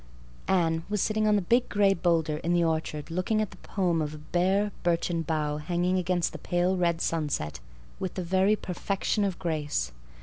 Anne was sitting on the big gray boulder in the orchard looking at the poem of a bare, birchen bough hanging against the pale red sunset with the very perfection of grace.